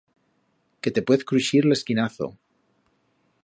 Que te puez cruixir l'esquinazo.